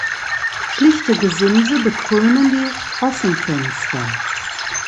Schlichte Gesimse bekrönen die Sprossenfenster.